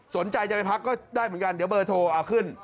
สนใจจะไปพักก็ได้เหมือนกันเดี๋ยวเบอร์โทรเอาขึ้น